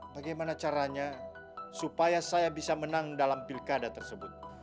bagaimana caranya supaya saya bisa menang dalam pilkada tersebut